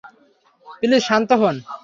Please শান্ত হোন।